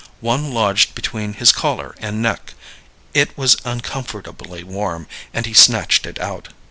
One lodged between his collar and neck; it was uncomfortably warm, and he snatched it out.